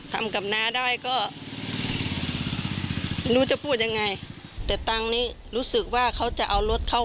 ทำกับน้าได้ก็รู้จะพูดยังไงแต่ตังค์นี้รู้สึกว่าเขาจะเอารถเข้า